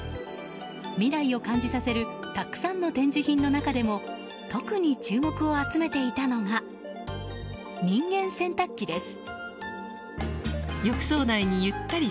未来を感じさせるたくさんの展示品の中でも特に注目を集めていたのが人間洗濯機です。